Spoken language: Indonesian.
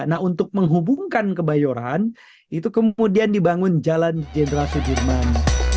nah untuk menghubungkan kebayoran itu kemudian dibangun jalan jenderal sudirman